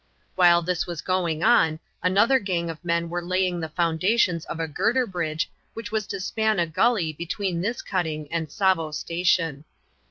While this was going on, another gang of men were laying the foundations of a girder bridge which was to span a gully between this cutting and Tsavo Station.